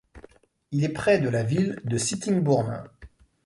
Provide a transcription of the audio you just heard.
Il est près de la ville de Sittingbourne.